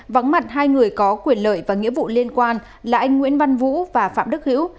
vắng mặt hai người có quyền lợi và nghĩa vụ liên quan là anh nguyễn văn vũ và phạm đức hữu